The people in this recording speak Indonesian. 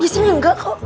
di sini enggak kok